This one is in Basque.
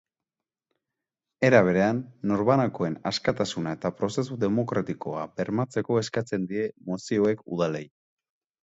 Era berean, norbanakoen askatasuna eta prozesu demokratikoa bermatzeko eskatzen die mozioak udalei.